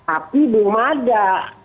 api belum ada